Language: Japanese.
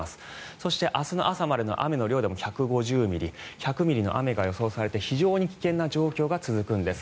そして、明日の朝までの雨の量でも１５０ミリ１００ミリの雨が予想されて非常に危険な状況が続くんです。